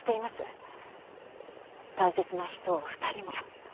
大切な人を２人も。